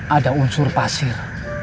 ada unsur pasir